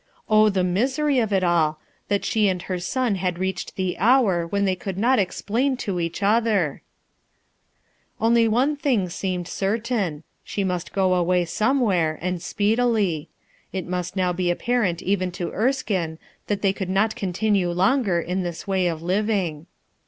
Oh, the misery of it all! A STRANGE CHANGE 333 That she and her son had reached the hour hen they could not explain to each other ! Only om thing seemed certain. She must away somewhere, and speedily. It must now be apparent even to Krskine that they could not continue longer in this way of living.